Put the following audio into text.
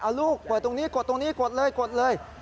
เอาลูกเปิดตรงนี้กดตรงนี้กดเลยกดเลย